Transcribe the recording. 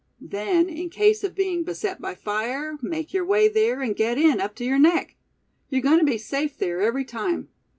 Then in case of being beset by fire, make your way there, and get in, up to your neck. You're going to be safe there, every time.